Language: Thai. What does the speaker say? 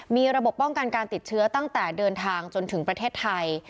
มีระบบป้องกันการติดเชื้อตั้งแต่เดินทางจนถึงประเทศไทย